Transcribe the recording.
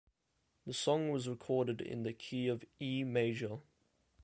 The song was recorded in the key of E major.